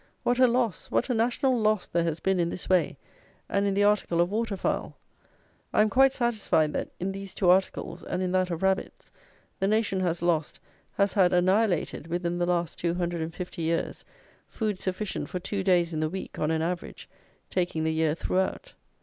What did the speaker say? What a loss, what a national loss, there has been in this way, and in the article of water fowl! I am quite satisfied that, in these two articles and in that of rabbits, the nation has lost, has had annihilated (within the last 250 years) food sufficient for two days in the week, on an average, taking the year throughout.